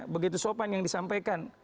begitu sopan yang disampaikan